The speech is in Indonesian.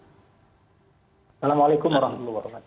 wassalamualaikum warahmatullahi wabarakatuh